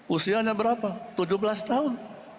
usianya berapa tujuh belas tahun